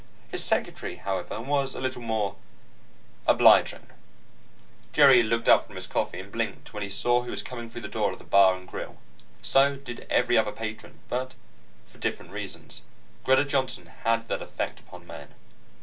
His secretary, however, was a little more obliging ... Jerry looked up from his coffee and blinked when he saw who was coming through the door of the Bar & Grill. So did every other patron, but for different reasons. Greta Johnson had that effect upon men.